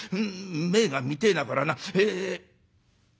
銘が見てえなこらな。え」。